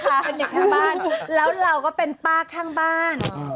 เป็นเด็กข้างบ้านแล้วเราก็เป็นป้าข้างบ้าน